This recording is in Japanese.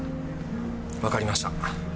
わかりました。